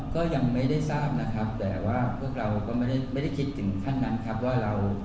ก็ยังไม่ได้ทราบนะครับแต่ว่าพวกเราก็ไม่ได้คิดถึงขั้นนั้นครับว่าเรา